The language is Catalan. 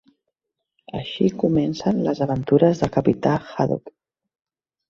Així comencen les aventures del capità Haddock.